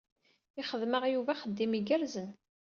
Ixdem-aɣ Yuba axeddim igerrzen.